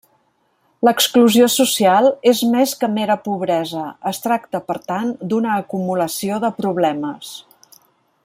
L'exclusió social és més que mera pobresa, es tracta per tant d'una acumulació de problemes.